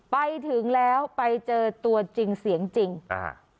ไปถึงแล้วไปเจอตัวจริงเสียงจริงอ่า